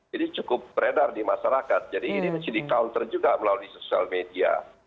jadi cukup beredar di masyarakat jadi ini menjadi counter juga melalui sosial media